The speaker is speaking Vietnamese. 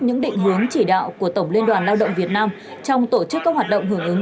những định hướng chỉ đạo của tổng liên đoàn lao động việt nam trong tổ chức các hoạt động hưởng ứng